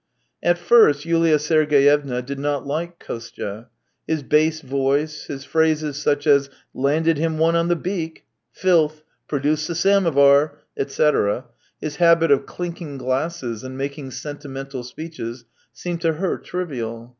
At first YuHa Sergeyevna did not hke Kostya; his bass voice, his phrases such as " Landed him one on the beak," " Filth," "Produce the samovar," etc., his habit of clinking glasses and making sentimental speeches, seemed to her trivial.